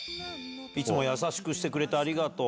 いつも優しくしてくれてありがとう。